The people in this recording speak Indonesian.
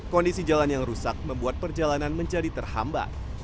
kondisi jalan yang rusak membuat perjalanan menjadi terhambat